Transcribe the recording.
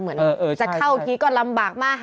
เหมือนจะเข้าทีก็ลำบากมาก